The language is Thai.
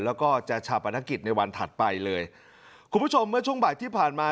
แล้วก็จะชาปนกิจในวันถัดไปเลยคุณผู้ชมเมื่อช่วงบ่ายที่ผ่านมา